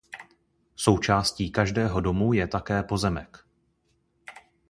Součástí každého domu je také pozemek.